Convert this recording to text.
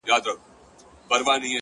څومره بلند دی،